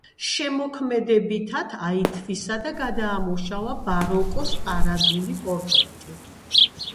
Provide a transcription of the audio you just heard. შემოქმედებითად აითვისა და გადაამუშავა ბაროკოს პარადული პორტრეტი.